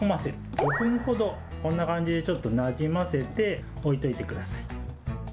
５分ほどこんな感じでちょっと、なじませて置いておいてください。